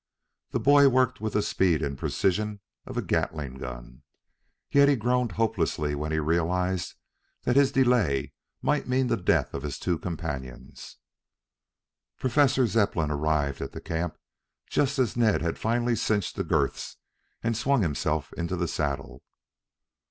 The boy worked with the speed and precision of a Gattling gun. Yet he groaned hopelessly when he realized that his delay might mean the death of two of his companions. Professor Zepplin arrived at the camp just as Ned had finally cinched the girths and swung himself into the saddle.